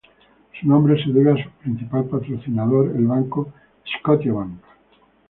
Su nombre se debe a su principal patrocinador, el banco Scotiabank.